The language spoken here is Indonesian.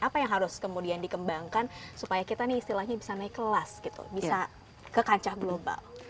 apa yang harus kemudian dikembangkan supaya kita nih istilahnya bisa naik kelas gitu bisa ke kancah global